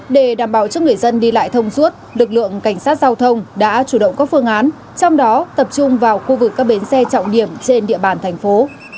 để đảm bảo cho người dân đi lại thông suốt lực lượng cảnh sát giao thông đã chủ động các phương án trong đó tập trung vào khu vực các bến xe trọng điểm trên địa bàn thành phố